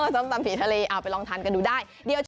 ส้มตำผีทะเลเอาไปลองทานกันดูได้